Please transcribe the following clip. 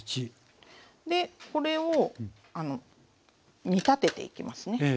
でこれを煮立てていきますね。